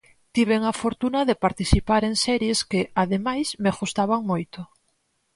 Tiven a fortuna de participar en series que, ademais, me gustaban moito.